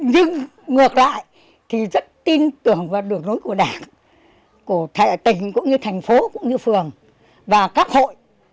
nhưng ngược lại thì rất tin tưởng vào đường lối của đảng của thành phố cũng như phường và các hội